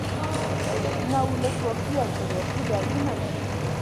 دولتونه ولس واکي او زورواکي ډولونه لري.